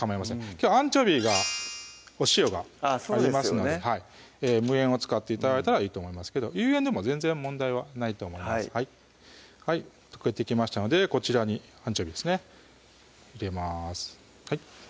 きょうはアンチョビーがお塩がそうですよねありますので無塩を使って頂いたらいいと思いますけど有塩でも全然問題はないと思います溶けてきましたのでこちらにアンチョビーですね入れます